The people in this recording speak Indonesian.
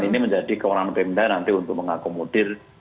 ini menjadi kewenangan pemda nanti untuk mengakomodir